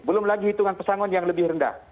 belum lagi hitungan pesangon yang lebih rendah